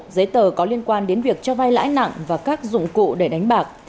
giấy tờ có liên quan đến việc cho vai lãi nặng và các dụng cụ để đánh bạc